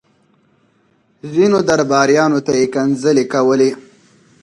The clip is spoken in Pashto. ځينو درباريانو ته يې کنځلې کولې.